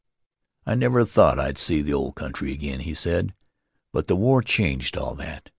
" I never thought I'd see the old country again," he said, "but the war changed all that.